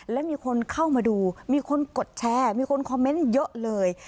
และมีคนเข้ามาดูมีคนกดแชร์มีคนคอมเมนต์เยอะเลย